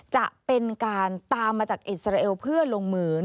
จะเป็นการตามมาจากอิสราเอลเพื่อลงมือ